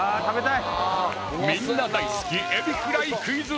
みんな大好きエビフライクイズ対決